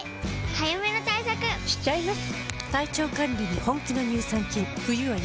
早めの対策しちゃいます。